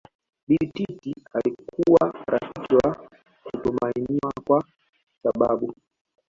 Bibi Titi alikuwa rafiki wa kutumainiwa kwa sababu